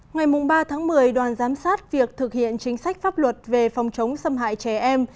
ngày ba tháng một mươi đoàn giám sát việc thực hiện chính sách pháp luật về phòng chống xâm hại trẻ em